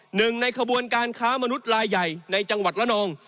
หนึ่งในขบวนการค้ามนุษย์ลายใหญ่ในจังหวัดละนอง